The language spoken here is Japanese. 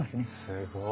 すごい。